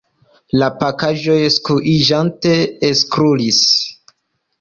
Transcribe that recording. La pakaĵoj skuiĝante ekrulis.